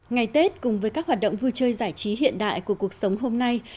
ngày tết cùng với các hoạt động vui chơi giải trí hiện đại của cuộc sống hôm nay